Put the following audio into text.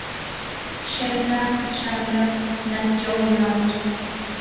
Sheila Chandra nació en Londres.